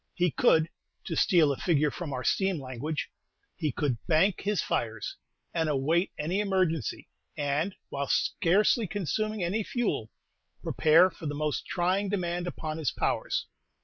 He could to steal a figure from our steam language he could "bank his fires," and await any emergency, and, while scarcely consuming any fuel, prepare for the most trying demand upon his powers.